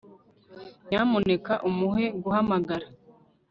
nyamuneka umuhe guhamagara